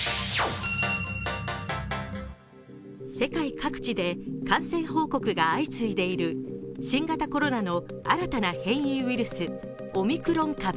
世界各地で感染報告が相次いでいる新型コロナの新たな変異ウイルスオミクロン株。